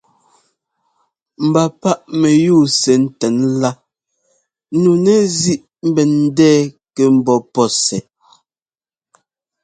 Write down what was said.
Mba páꞌ mɛyúu sɛ ńtɛn lá nu nɛzíꞌ ḿbɛn ńdɛɛ kɛ ḿbɔ́ pɔ́ sɛ́.